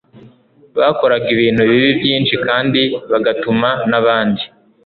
bakoraga ibintu bibi byinshi kandi bagatuma n abandi